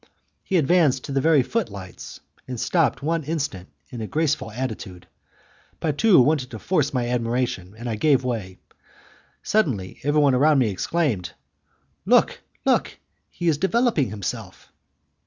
He advanced to the very footlights, and stopped one instant in a graceful attitude. Patu wanted to force my admiration, and I gave way. Suddenly everyone round me exclaimed, "Look! look! he is developing himself!"